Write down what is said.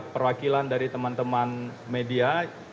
perwakilan dari teman teman media